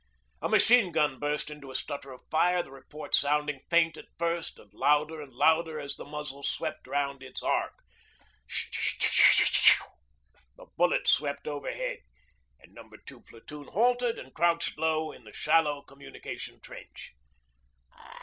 A machine gun burst into a stutter of fire, the reports sounding faint at first and louder and louder as the muzzle swept round in its arc. 'Ssh sh sh sh,' the bullets swept overhead, and No. 2 Platoon halted and crouched low in the shallow communication trench.